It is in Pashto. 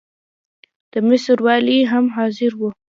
د مصر والي هم حاضر وو.